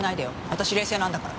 私冷静なんだから。